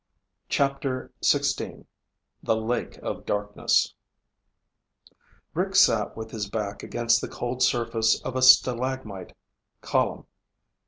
CHAPTER XVI The Lake of Darkness Rick sat with his back against the cold surface of a stalagmite column.